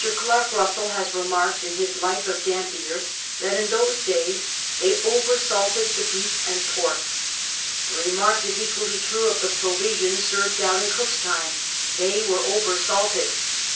Clark Bussell has remarked in his Life of Dampier that in those days they over salted the beef and pork. VI SCURVY AND DEATH 79 The remark is equally true of the provisions served out in Cook's time. They were over salted.